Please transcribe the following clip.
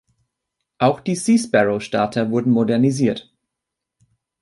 Auch die Sea-Sparrow-Starter wurden modernisiert.